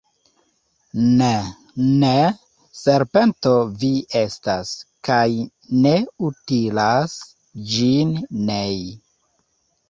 Ne, ne! Serpento vi estas, kaj ne utilas ĝin nei.